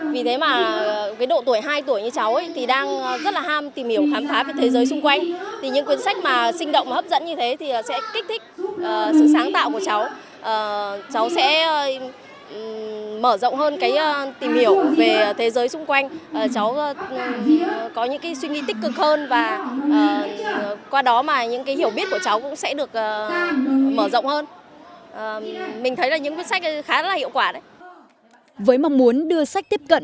với mong muốn đưa sách tiếp cận